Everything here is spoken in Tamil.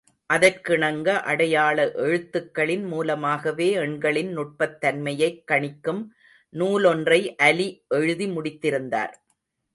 அதற்கிணங்க அடையாள எழுத்துக்களின் மூலமாகவே எண்களின் நுட்பத்தன்மையைக் கணிக்கும் நூலொன்றை அலி எழுதி முடித்திருந்தார்.